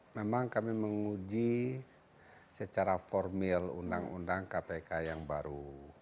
memang kami menguji secara formil undang undang kpk yang baru